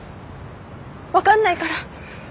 分かんないから。